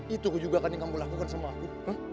itu kejugakan yang kamu lakukan sama aku